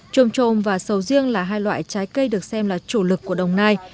trôm trôm và sầu riêng là hai loại trái cây được xem là chủ lực của đồng nai